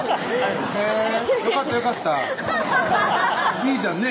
へぇよかったよかったいいじゃんね